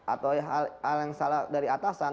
atau hal yang salah dari atasan